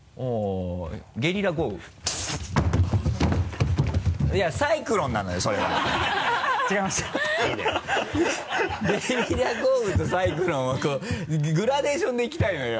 ゲリラ豪雨とサイクロンをこうグラデーションでいきたいのよ。